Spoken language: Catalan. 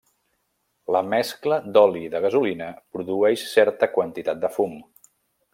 La mescla d'oli i de gasolina produeix certa quantitat de fum.